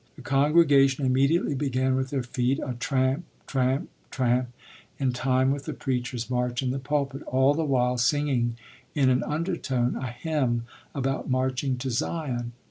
The congregation immediately began with their feet a tramp, tramp, tramp, in time with the preacher's march in the pulpit, all the while singing in an undertone a hymn about marching to Zion.